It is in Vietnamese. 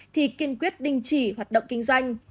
thì kiên quyết đình chỉ hoạt động kinh doanh